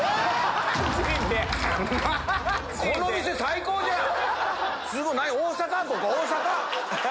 この店最高じゃん！